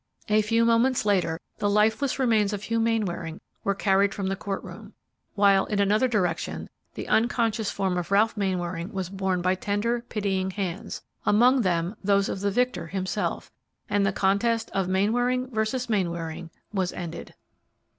A few moments later the lifeless remains of Hugh Mainwaring were carried from the court room, while, in another direction, the unconscious form of Ralph Mainwaring was borne by tender, pitying hands, among them those of the victor himself, and the contest of Mainwaring versus Mainwaring was ended.